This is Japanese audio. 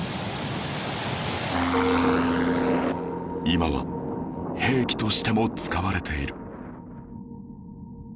今は兵器としても使われている